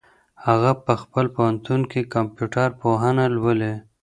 هغه په خپل پوهنتون کي کمپيوټر پوهنه لولي.